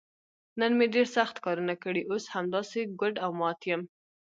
نن مې ډېر سخت کارونه کړي، اوس همداسې ګوډ او مات یم.